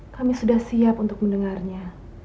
kami sudah siap untuk mendengarnya